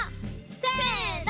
せの！